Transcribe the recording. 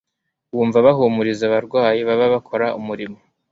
Bumva abahumuriza abarwayi baba bakora umurimo,